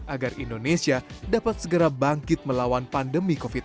agar indonesia dapat segera bangkit melawan pandemi covid sembilan belas